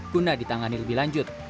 kuna ditangani lebih lanjut